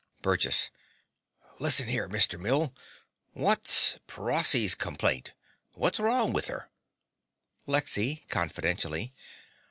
BURGESS. Listen here, Mr. Mill. Wot's Prossy's complaint? Wot's wrong with 'er? LEXY (confidentially).